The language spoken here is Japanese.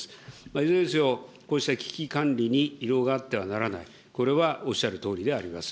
いずれにせよ、こうした危機管理にいろうがあってはならない、これはおっしゃるとおりであります。